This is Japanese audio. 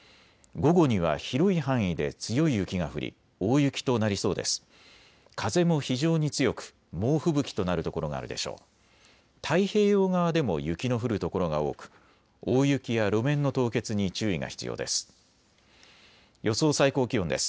午後には広い範囲で強い雪が降り大雪となりそうです。